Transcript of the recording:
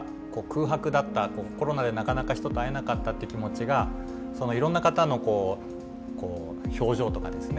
コロナでなかなか人と会えなかったって気持ちがいろんな方のこう表情とかですね